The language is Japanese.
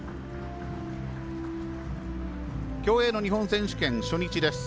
競泳の日本選手権初日です。